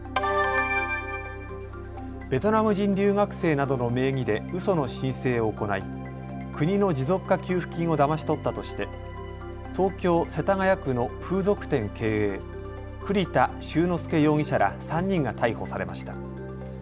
ベトナム人留学生などの名義でうその申請を行い国の持続化給付金をだまし取ったとして東京世田谷区の風俗店経営、栗田周之介容疑者ら３人が逮捕されました。